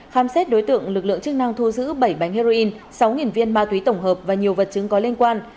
khám xét đối tượng lực lượng chức năng thu giữ bảy bánh heroin sáu viên ma túy tổng hợp và nhiều vật chứng có liên quan